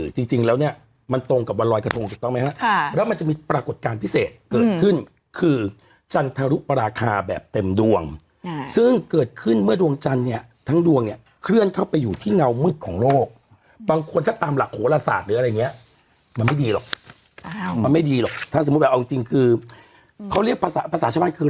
จริงแล้วเนี่ยมันตรงกับวันรอยกระทงถูกต้องไหมฮะแล้วมันจะมีปรากฏการณ์พิเศษเกิดขึ้นคือจันทรุปราคาแบบเต็มดวงซึ่งเกิดขึ้นเมื่อดวงจันทร์เนี่ยทั้งดวงเนี่ยเคลื่อนเข้าไปอยู่ที่เงามืดของโลกบางคนถ้าตามหลักโหลศาสตร์หรืออะไรอย่างนี้มันไม่ดีหรอกมันไม่ดีหรอกถ้าสมมุติแบบเอาจริงคือเขาเรียกภาษาภาษาชาวบ้านคือ